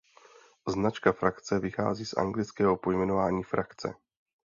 Značka frakce vychází z anglického pojmenování frakce.